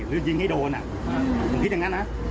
หรือยิงให้โดนผมคิดอย่างนั้นนะ